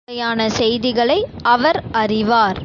பலவகையான செய்திகளை அவர் அறிவார்.